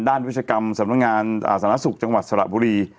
วิศกรรมสำนักงานสาธารณสุขจังหวัดสระบุรี